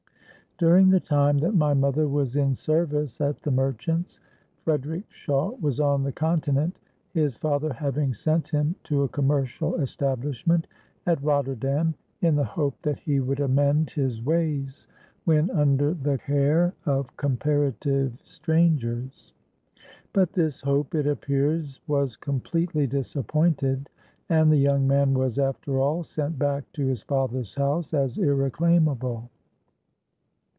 During the time that my mother was in service at the merchant's, Frederick Shawe was on the Continent, his father having sent him to a commercial establishment at Rotterdam, in the hope that he would amend his ways when under the care of comparative strangers. But this hope, it appears, was completely disappointed; and the young man was after all sent back to his father's house as irreclaimable.